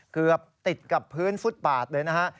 เกือบติดกับพื้นฟุตบาทเลยนะฮะ